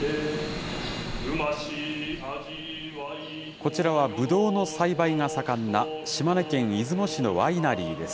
こちらはぶどうの栽培が盛んな島根県出雲市のワイナリーです。